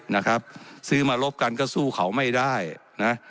นะครับซื้อมารบกันก็สู้เขาไม่ได้นะ